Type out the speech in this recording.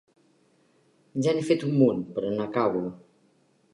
Ja n'he fet un munt, però no acabo.